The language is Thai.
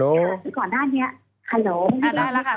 เอาล่ะค่ะสิ่งก่อนด้านนี้ฮัลโหล